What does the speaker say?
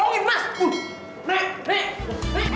wah nenek nek nek